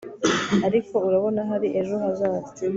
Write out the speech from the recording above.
ariko, urabona, hari ejo hazaza